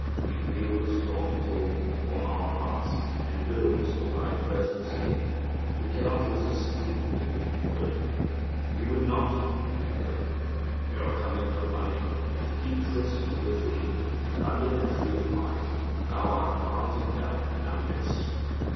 We feel the strong pull upon our hearts and wills of Thy presence in Him. We cannot resist Thee if we would. We would not if we could. We are coming a running to keep tryst with Thee under the tree of life thou art planting down in our midst.